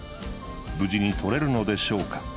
無事に取れるのでしょうか？